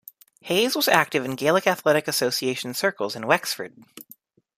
Hayes was active in Gaelic Athletic Association circles in Wexford.